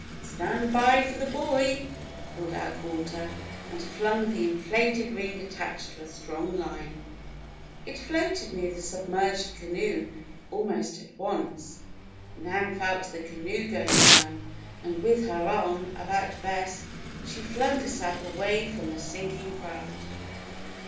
"Stand by for the buoy!" called out Walter, and flung the inflated ring attached to a strong line. It floated near the submerged canoe almost at once. Nan felt the canoe going down, and with her arm about Bess, she flung herself away from the sinking craft.